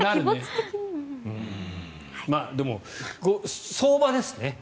でも、相場ですね